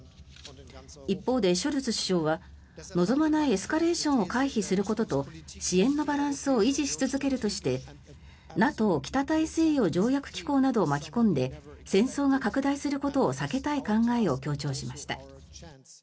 一方でショルツ首相は望まないエスカレーションを回避することと支援のバランスを維持し続けるとしてＮＡＴＯ・北大西洋条約機構などを巻き込んで戦争が拡大することを避けたい考えを強調しました。